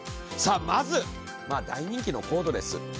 さあまず大人気のコードレス。